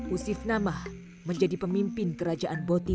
usif namah menjadi pemimpin kerajaan boti